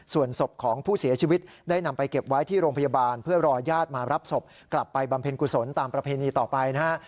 ส่วนศพของผู้เสียชีวิตได้นำไปเก็บไว้ที่โรงพยาบาลเพื่อรอญาติมารับศพกลับไปบำเพ็ญกุศลตามประเพณีต่อไปนะฮะ